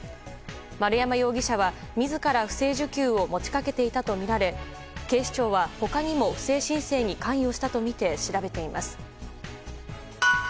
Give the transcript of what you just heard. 丸山容疑者は自ら不正受給を持ち掛けていたとみられ警視庁は他にも不正申請に関与したとみて調べています。